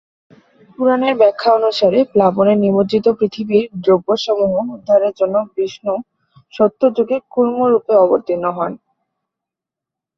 পুরাণের ব্যাখ্যা অনুসারে প্লাবনে নিমজ্জিত পৃথিবীর দ্রব্যসমূহ উদ্ধারের জন্য বিষ্ণু সত্যযুগে কূর্মরূপে অবতীর্ণ হন।